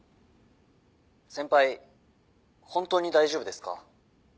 先輩ホントに大丈夫ですか？